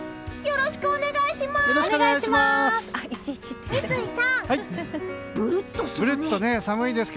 よろしくお願いします！